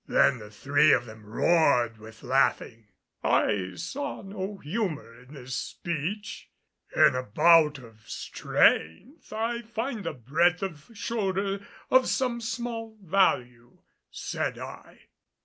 Then the three of them roared with laughing. I saw no humor in this speech. "In a bout at strength I find the breadth of shoulder of some small value," said I.